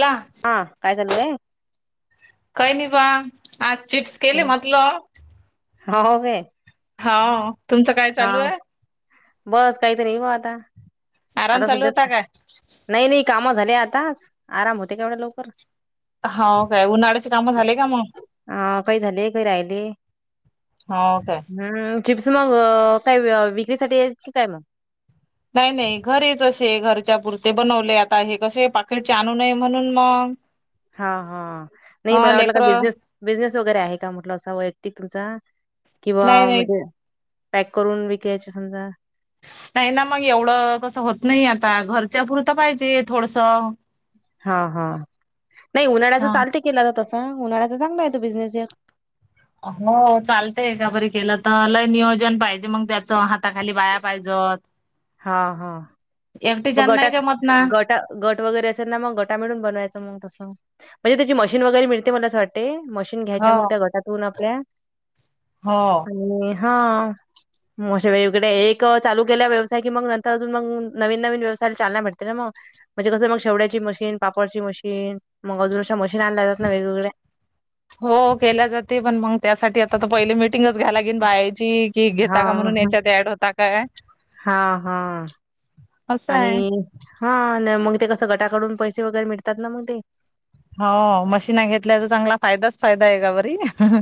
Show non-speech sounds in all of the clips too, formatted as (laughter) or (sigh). ला हा काय चाललंय. काय नाही पहा आज चिप्स केले म्हंटलं. हा हो काय. हाव तुमचं काय हा चालू आहे बस काहीतरी म आता आराम आता चालू सध्याच होता का काय नाही नाही कामं झाले आताच आराम होते का केवढ्या लवकर. हो काय उन्हाळ्याचे कामं झाले का मग अ काही झाले काही राहिले हो काय हम्म चिप्स मग काय विक्रीसाठी येत की काय मग? नाही नाही घरीच असे घरच्या पुरते बनवले आता हे कसे पाकिटचे आणूू नये म्हणून मग (inaudible) हा हा नाही हा मला वाटलं का लेकर बिझनेस बिजनेस वगैरे आहे का म्हटलं असा वैयक्तिक तुमचा किंवा नाही नाही म्हणजे पॅक करून विकायचे समजा नाही ना मग एवढं कसं होत नाही आता घरच्या पुरत पाहिजे थोडस हा हा नाही उन्हाळ्याच चालत केलं तर तस उन्हाळ्याचा चांगलाय तो बिजनेस यो हो चालतय एका परी केलं तर लय नियोजन पाहिजे मग त्याच हाताखाली बाया पाहिजेल. हा हा. मग एकटीच्यान नाही गटात जमत ना गटा गट वगैरे असेल ना मग गटा मिळून बनवायचं मग तसं म्हणजे त्याची मशीन वगैरे मिळते मला असं वाटते, मशीन घ्यायच्या हो मग त्या गटातून आपल्या हो. आणि हा म हे असे वेगवेगळे एक चालू केल्या व्यवसाय की मग नंतर अजून मग नवीन नवीन व्यवसायला चालना भेटते ना म म्हणजे कसं मग शेवड्याची मशीन, पापडची मशीन मग अजून अशा मशीन आणल्या जात ना वेगवेगळ्या हो केल तर ते पण मग त्यासाठी आता तर पहिले मिटिंगच घ्याया लागेन बायाची की हा घेता का म्हणून याच्यात ऍड होता काय? हा हा असं आणि आहे हा अन मग ते कसं गटाकडून पैसे वगैरे मिळतात ना मग ते हो, मशीन घेतल्या तर चांगला फायदाच फायदा आहे एकापरी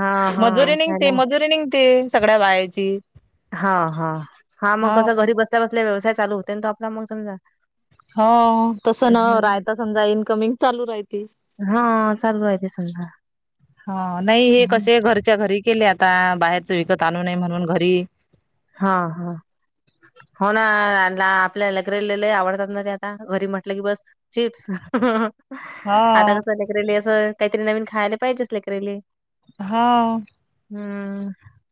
हा हा मजुरी हाय निघते ना. मजुरी निघते सगळ्या बायाची हा हा हा मग कसं घरी बसल्या बसल्या व्यवसाय चालू होते तो आपला मग समजा हो तसं न हम्म. रायता समजा इनकमिंग चालू राहती. हा चालू आहे ते समजा. हा नाही हे हम्म कसे घर च्या घरी केले आता बाहेरच विकत आणू नये म्हणून घरी हा हा. हो ना आपल्या लेकराले लय आवडतात ना ते आता घरी म्हटलं की बस चिप्स आता हा कसं लेकरले असं काहीतरी नवीन खायला पाहिजेच लेकरले हा. हम्म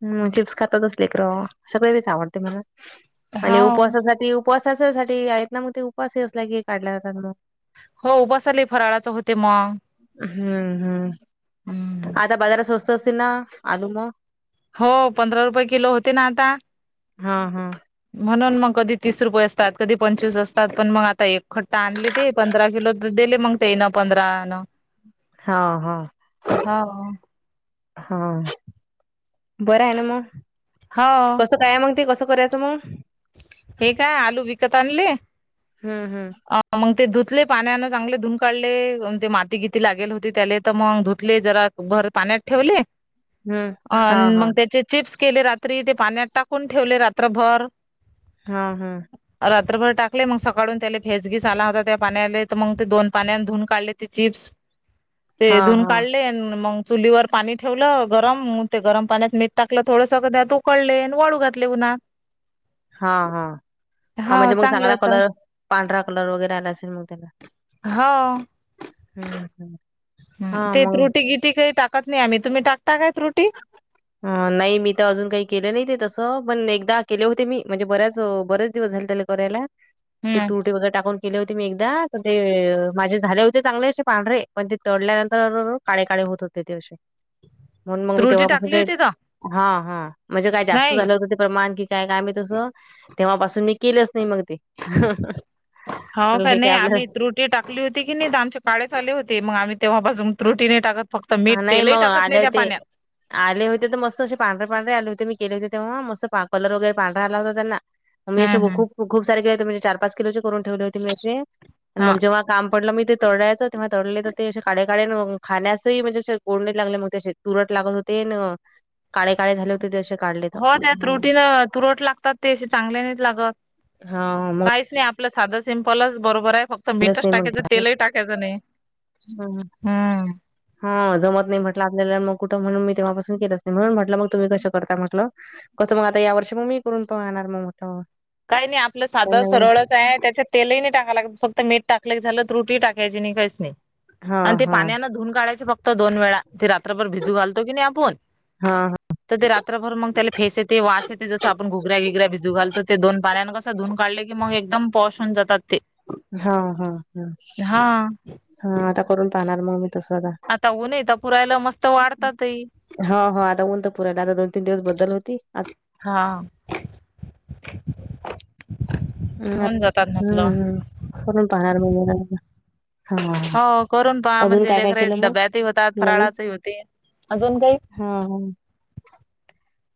हम्म चिप्स खातातच लेकर सगळ तेच आवडते मला आणि हो उपवासासाठी उपवासाच्यासाठी आहेत ना मग ते उपवास असल्या की काढल्या जातात मग हो उपासाले फराळाचं होते मग हम्म हम्म. हम्म. आता बाजारात स्वस्त असतील ना आलू म हो, पंधरा रुपये किलो होते ना आता हा हा. म्हणून मग कधी तीस रुपये असतात, कधी पंचवीस असतात पण मग आता एक खट्टा आणले ते. पंधरा किलो तर दिले मग तेन पंधरान हा हा. हो हा, बरं ये ना म होव. कसं काय आहे मग ते? कसं करायचं मग? हे काय आलू विकत आणले? हम्म हम्म आ मग ते धुतले पाण्यान चांगले धुन काढले, अन ते मातीगीती लागेल होती त्याले तर मग धुतले जरा भर पाण्यात ठेवले हम्म हा अन हा मग त्याचे चिप्स केले रात्री, ते पाण्यात टाकून ठेवले रात्रभर. हा ह. रात्रभर टाकले मग सकाळून त्याला फेसगीस आला होता त्या पाण्याले, त मंग ते दोन पाण्या धुन काढले ते चिप्स. ते हा धुन हा काढले आणि मंग चुलीवर पाणी ठेवलं गरम, म ते गरम पाण्यात मीठ टाकलं थोडस, म त्यात उकळले न वाळू घातले उन्हात. हा हा हा म्हणजे मग चांगले चांगला होतात कलर, पांढरा कलर वगैरे आला असेल मग त्याला. हो. हम् हम्. ते त्रुटी गिटी काही टाकत नाही आम्ही, तुम्ही टाकता काय त्रुटी? (inaudible) हा, नाही मी तर अजून काही केले नाही ते तसं, पण एकदा केले होते मी म्हणजे बऱ्याच बरेच दिवस झाले त्याले करायला, ते हम्म तुरटी वगरे टाकून केले होते मी एकदा, पण ते माझे झाले होते चांगले असे पांढरे, पण ते तळल्यानंतर काळे काळे होत होते. (unintelligible) म्हणून मग मी त्रुटी तेव्हापासून टाकली ते, होती का हा हा, म्हणजे काय जास्त नाही झालं होतं ते प्रमाण की (unintelligible) तस तेव्हापासून मी केलंच नाही मग ते. ह म्हटलं का हे काय नाही आपलं आम्ही त्रुट टी टाकाली होती की नही त आमचे काळे झाले होते. मग आम्ही तेव्हापासून तुरटी नाही टकत. फक्त मीठ. नाही तेलही मग टाकत आले नाही त्या होते पाण्यात. आले होते तर मस्त असे पांढरे पांढरे आले होते, मी केले होते तेव्हा. मस्त कलर वगैरे पांढरा आला होता त्यांना. मी अशे हम्म हम्म खूप खूप सारे केले होते. म्हनजे चार पाच किलोचे करून ठेवले होते मी अशे. हा मग जेंव्हा काम पडलं मी ते तळयाचं, तेव्हा तडले तर ते अशे काडे काडे खाण्यास (unintelligible) म्हणजे क लागले तुरट लागत होते काळे काळे झाले हो तेे (unintelligible) काढले. तर हो त्या तुरटीन तुरट लागतात ते, असे चांगले नाहीत लागत. हा म काहीच नाही आपलं साधं सिंपलच बरोबर, आहे फक् त केलंच मिठच नाही मग टाकायचं. तेलही टाकायचं नाही. हम्म. हा जमत नाही म्हटलं आपल्याला मग कुठं, म्हणून मी तेव्हापासून केलंच नाही. म्हणून म्हटलं मग तुम्ही कसं करता म्हटलं? कसं मग आता या वर्षी मग मी करून पहणार मग म्हटलं. काही नाही आपलं काही साधं नवीन सरळच आहे, त्याच्यात तेलही नाही टाका लागत. फक्त मीठ टाकल की झालं. तुरटी ही टाकायची नाही, काहीच नाही. आणि हां, ते हां. पाण्यान धुन काढायचे फक्त दोन वेळा. ते रात्रभर भिजू घालतो की नाही आपून हां, तर ते रात्रभर मग त्याला फेस येते, वास येते, जंस आपण घुगऱ्या बीगऱ्या भिजू घालतो ते दोन पाण्यान कसं धुन काढल की मग एकदम पॉश होऊन जातात ते. हा हा हा, हा हा, आता करून पाहणार मग मी. आता ऊन आहे त पुरायला मस्त वाढतातही. ह हो आता ऊन तर पुरायला, आता दोन तीन दिवस बदल होती. आत हा, हं, आत होऊन जातात हं, म्हटलं. हं. करून पाहणार (unintelligible) हां. हो, करून पहा अजून म्हणजे काय-काय लेखरे केलं मग डब्यातही होतात फराळाचेही होते अजून काही. हा,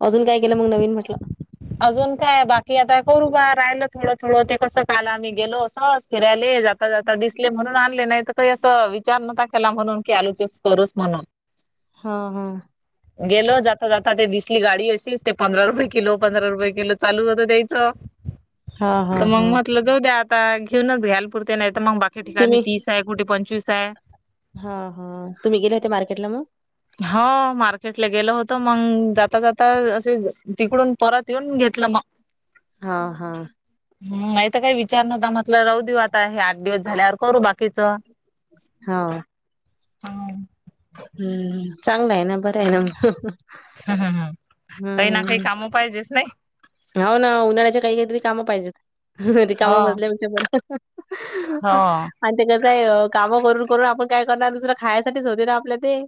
अजून काय केलं मग नवीन म्हटलं. अजून काय बाकी आता करू बा राहिलं थोडं -थोडं ते कसं काल आम्ही गेलो असतो. सहज फिरायले जाता-जाता दिसले म्हणून आणले नाही तर. का असं विचार न्हता केला म्हणून की, आलू चिप्स करूच म्हणून. हा हा, गेलो जाता-जाता ते दिसली गाडी अशीच ते पंधरा रुपये किलो. पंधरा रुपये किलो चालू होत द्यायच हां, तर हां, मग हां. म्हटलं. जाऊ द्या न आता घेऊनच घ्यायल पुरते नाही तर मग बाकी ठिकाणी तीस आहे कुठे पंचवीस आहे. हा हा, तुम्ही गेले होते मार्केटला मग? हो, मार्केटला गेलं होत. मग जाता जाता असे तिकडून परत येऊन घेतलं मग. हा हा, हम, नाही तर काही विचार नव्हता म्हटलं राहू देऊ आता हे आठ दिवस झाल्यावर करू बाकीच. हा, हा, हम, चांगलं आहे ना, बरं आहे ना मग. हा हा, काही ना, काही हम्म काम पाहिजेचना नाही. हो ना उन्हाळ्याच्या काही काहीतरी काम पाहिजेत. रिकाम हो बसल्यापेक्षा बर. हो आणि ते कसय कामं करून करून आपण काय करणार दुसरं खायसाठीच होते ना आपल्या ते.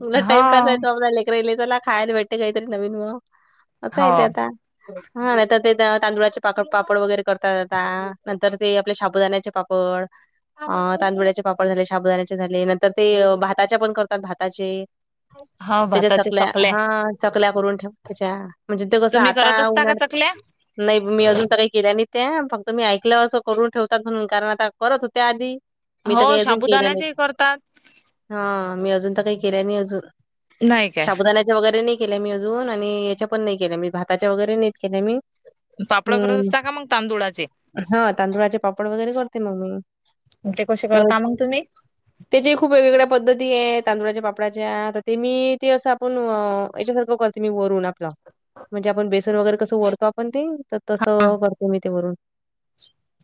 म्हटलं हो टाइम कसा येतो आहे. तो लेकरना चला खायला भेटते काहीतरी नवीन मग. आता हो येत आता. हा, नाहीतर ते तांदुळाचे पाड पापड वगैरे करतात आता नंतर ते आपल्या शाबूदाण्याचे पापड. पळ. अ, तांदुळ्याचे पापड झाले, शाबुदाण्याचे झाले नंतर ते भाताचे पण करतात भाताचे. हो त्याच्याच भाताच्या चकल्या हा, चकल्या करून ठेवाच्या त्याच्या म्हणजे ते कसं तुम्ही आता करत असता का उन्हाळ. चकल्या? नाही मी अजून अस काही केल्या नाही त्या फक्त मी ऐकलं असं करून ठेवतात म्हणून कारण आता करत होते आधी. मी हो, तर काही अजून केल्या नाहीत शबुदाण्याचे करतात. हा, मी अजून तर काही केल्या नाही अजून नाही काय साबुदाना. वगैरे नाही केल्या मी अजून आणि याच्या पण नाही केल्या मी भाताच्या वगैरे नाही केल्या मी. पापड करत हम्म असतात का मग तांदुळाचे. हा, तांदुळाचे पापड वगैरे करते मग्. ते कसे करता मग तुम्ही. त्याचे खूप वेगवेगळ्या पद्धती आहे. तांदुळाच्या पापडाच्या तर ते मी ते असं आपण याच्यासारखं क''--'' वरून आपला. म्हणजे आपण बेसन वगैरे कसं ओढतो आपण ते हा तसं करतो मी ते वरून.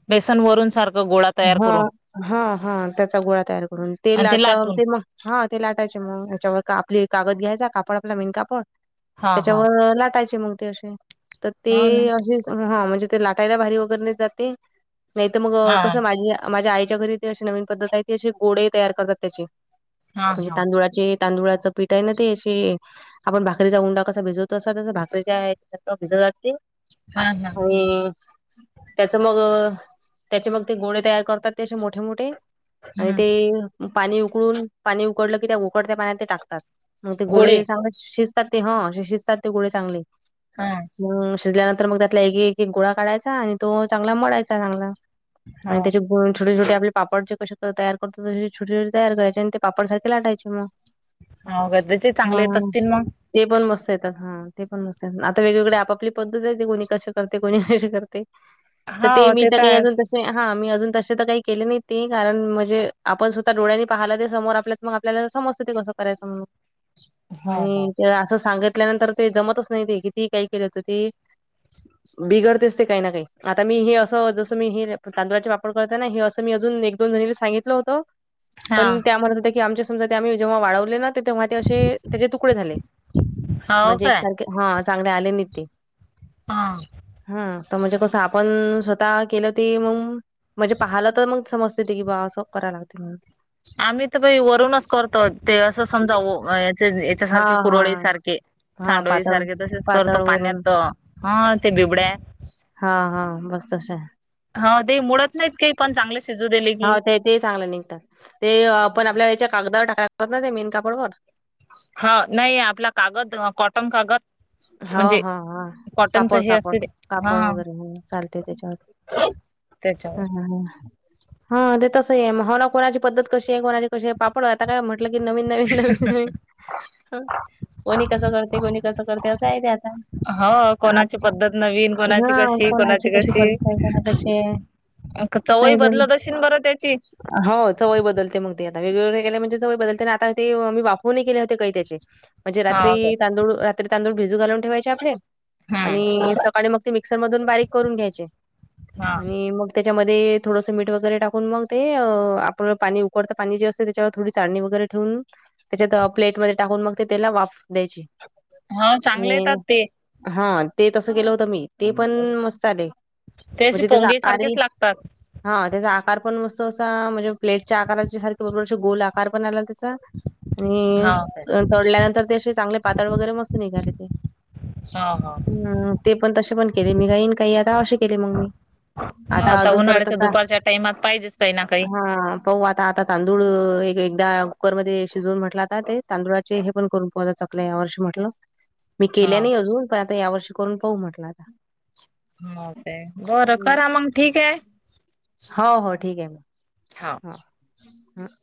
बेसन वरून सारखं गोळा तयार हा करून हा हा, त्याचा गोळा तयार करून ते आणि लाट लाटून ते मग. हा, ते लाटायचे मग याच्यावर आपली कागद घ्यायचा कापड आपला मेन कापड हा हा त्याच्यावर लाटायचं. त्याचे मग ते असे तर ते हो ना अस ह म्हणजे ते लाटायला भारी वगैर नये जाते. नाही तर मग हा कसं माझी माझ्या आईच्या घरी ते अशी नवीन पद्धत आहे ती असे गोळे तयार करतात त्याची. हा म्हणजे हा तांदुळाचे. तांदुळाचं पीठ आहे ना, तेे आपण भाकरीचा उंडा कसा भिजवतो असा त्या भाकरी. (unintelligible) हा हा त्याच मग त्याचे मग ते गोळे तयार करतात ते असे मोठे मोठे. आणि हम्म ते पाणी उकळुन, पाणी उकळलं की त्या उकळत्या पाण्यात ते टाकतात. मग ते गोळे चांगले शिजतात ते ह. शिजतात ते गोळे चांगले. हा. मग शिजल्यानंतर. मग त्यातला एक- एक गोळा काढायचा, आणि तो चांगला मळायचं चांगला. हा आणि त्याचे गोळे छोटे -छोटे आपले पापड जे कसे तयार करतो. तसे छोटे छोटे तयार करायचे आणि ते पापडारखे लाटायचे मग. हो. गरजेजे चांगले येत हा असतील मग. ते पण मस्त येतात हा ते. हो असत्यात. आता वेगवेगळे आपापली पद्धत आहे. ते कोणी कसे करते कोणी कशी करते. तर ते हाव मी तर तरी अजून आहेच. तशी च हा मी अजून तसे तर काही केले नाही ते. कारण म्हणजे आपण स्वतः डोळ्यांनी पाहिला ते समोर आपल्या मग आपल्याला समजत ते कसं करायचं. हा हा. म्हणून ते असं सांगितल्यानंतर ते जमत असतं नाही ते कीती काय केलं तर ते बिघडतेस ते काही ना काही. आता मी हे असं जसं मी हे तांदुळाचे वापर करत ना. हे असं मी अजून एक दोन जणीला सांगित ल होत. हा पण त्या म्हणत होत्या की, आमच्या समजा आम्ही जेव्हा वाळवले ना तेव्हा ते असे त्याचे तुकडे झाले. हाव म्हणजे काय एकसारखे, हा चांगले आले नाही ते हा. हा. तर म्हणजे कसं आपण स्वतः केलं ते मंग म्हणजे पाहायला तर मग समजते बा असं कराय लागते म्हणून आम्ही तर बाई वरूनच करतो ते असं समजा व त्याचे ऊ त्या च्या सारखे हां, हां. कुरवडीसारखे. हां, सांडोळी पातळ सारखे तसेच करतो पातळ वरून पाण्यात. ह ते बिबड्या हा हा बस तसे हाय. ह दे मुडत नाहीत ते पण चांगलेच शिजू दीली. ह ते ते चांगले निघतात. ते आपण आपल्या वेळेच्या टाकायला लागतात ना ते मेन कापड वर ह नाही आपला कागद अ कॉटन कागद हो म्हणजे हा हा. कॉटनच कापड हे कापड असते ते हा कापड वगैरे हम चालते त्याच्यावर. त्याच्यावर हम्म हम्म. हा ते तसं आहे. हो ना कोणाची पद्धत कशी आहे. कोणाचे कशी. पापड आता काय म्हण टला की नवीन नवीन नवीन कोणी कस करते. कोणी कस ठेवता येते आता. हो कोणाची पद्धत नवीन कोणाची हं कशी कोणाची कशी करणी. काहीं काहीना तशे अ चव ही बदलत अशील बरं त्याची. हो. चवय बदलते मग ते आता वेगळेवेगळे केल्या म्हणजे चवय बदलते. आणि आता ते मी वाफवून नाही केले होते काही त्याचे. म्हणजे हा काय रात्री तांदूळ रात्री तांदूळ भिजू घालून ठेवायचे आपले हम्म आणि मग ते मिक्सर मधून बारीक करून घ्यायचे हा. आणि मग त्याच्यामध्ये थोडंसं मीठ वगैरे टाकून मग ते. आपलं पाणी उकडता पाणी जे असते त्याच्यावर थोडी चाळणी वगैरे ठेवून. त्याच्यात प्लेटमध्ये टाकून मग ते त्याला वाफ द्यायची. हा चांगले येतात ते. हा ते तसं केलं होतं मी. ते पण मस्त आले. ते असे म्हणजे त्याच पोंगे आता आणि सारखेच लागतात. हा त्याचा आकार पण मस्त असा म्हणजे प्लेटच्या आकाराचे सारखे बरोबर गोल आकार पण आला तसा. आणि हाव काय? सोडल्यानंतर ते असे चांगले पातळ वगैरे मस्त निघाले ते. हा हा. हम ते पण तशे पण केले मी काई काही. आता अशे केले मंग मी. हा आता अजून कराच उन्हाळ्याच्या का? दुपारच्या टाइमात पाहिजेच काही ना काही. हा. पाऊ आता आता तांदूळ एक एकदा कुकर मध्ये शिजवून म्हटलं आता ते तांदुळात - हे पण करून पाहूया चकल्या या वर्षी म्हटलं. मी केल्या हाव. नाही अजून पण आता या वर्षी करून पाहू म्हटलं आता. म काय. बरं करा मंग ठीक ए? हो हो ठीक आहे म हाव. ह ह्म्म्म.